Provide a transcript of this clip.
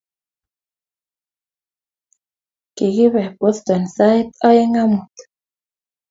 Kigibe Boston sait aeng amut